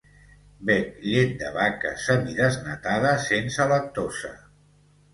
Bec llet de vaca semidesnatada sense lactosa.